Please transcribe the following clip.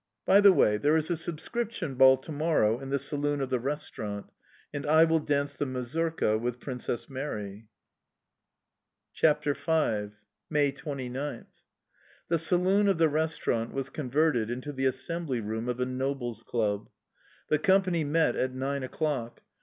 By the way, there is a subscription ball tomorrow in the saloon of the restaurant, and I will dance the mazurka with Princess Mary. CHAPTER V. 29th May. THE saloon of the restaurant was converted into the assembly room of a Nobles' Club. The company met at nine o'clock.